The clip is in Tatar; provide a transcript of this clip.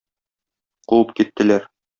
Куып киттеләр.